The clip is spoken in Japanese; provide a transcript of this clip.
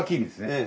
ええ。